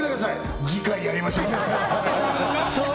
次回やりましょうそれ